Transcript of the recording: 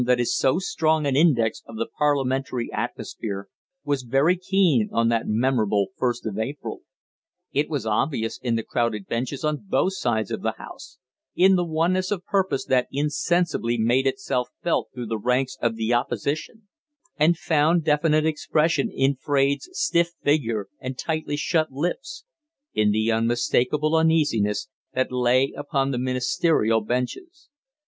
that is so strong an index of the parliamentary atmosphere was very keen on that memorable first of April. It was obvious in the crowded benches on both sides of the House in the oneness of purpose that insensibly made itself felt through the ranks of the Opposition, and found definite expression in Fraide's stiff figure and tightly shut lips in the unmistakable uneasiness that lay upon the ministerial benches.